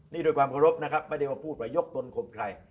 นี่ด้วยความรบนะครับไม่ได้ว่าพูดไปยกตนขบใคร